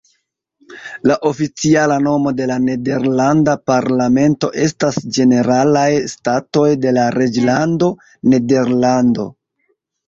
La oficiala nomo de la nederlanda parlamento estas "Ĝeneralaj Statoj de la Reĝlando Nederlando".